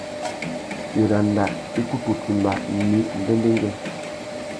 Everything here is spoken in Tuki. Wiranda i kutu timba mí ndêndêngüê.